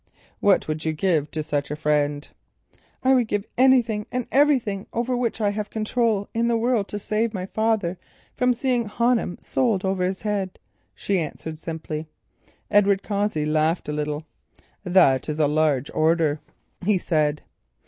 What would you give to such a friend?" "I would give anything and everything over which I have control in this world, to save my father from seeing Honham sold over his head," she answered simply. Edward Cossey laughed a little. "That is a large order," he said.